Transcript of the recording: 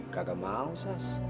gak mau sas